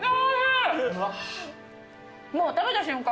もう食べた瞬間